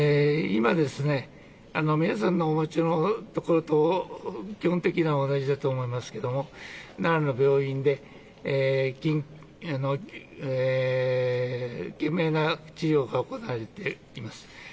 今、皆さんのお持ちのところと基本的には同じだと思いますけれども奈良の病院で懸命な治療が行われています。